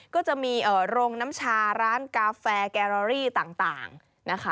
ก็จะมีโรงน้ำชาร้านกาแฟแกรอรี่ต่างนะคะ